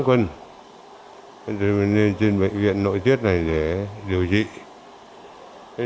thế nên mình lên trên bệnh viện nội tiết này để điều trị